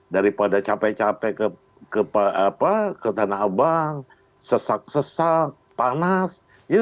daripada capek capek ke tanah abang sesak sesak panas